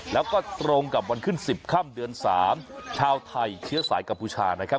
แล้วก็ตรงกับวันขึ้นสิบข้ามเดือนสามชาวไทยเฉริยสายกับผู้ชามนะครับ